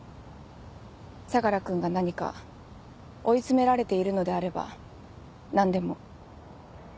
相楽君が何か追い詰められているのであれば何でも。